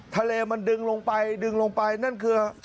ทะเลมันดึงลงไปนั้นคือ